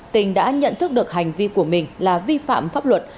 tình đã nhận thức được hành vi của mình là vi phạm pháp luật